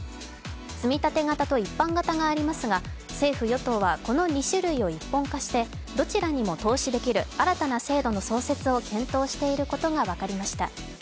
つみたて型と一般型がありますが政府・与党は、この２種類を一本化してどちらにも投資できる新たな制度の創設を検討していることが分かりました。